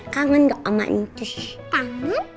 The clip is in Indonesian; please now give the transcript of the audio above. kangen dong sama nenek